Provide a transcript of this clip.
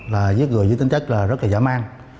là giết người với tính chất rất là dã man